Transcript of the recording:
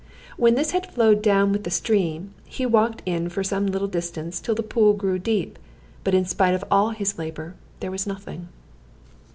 When this had flowed down with the stream, he walked in for some little distance till the pool grew deep; but in spite of all his labor, there was nothing.